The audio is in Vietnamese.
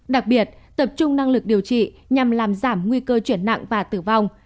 đặc biệt tập trung năng lực điều trị nhằm làm giảm nguy cơ chuyển nặng và tử vong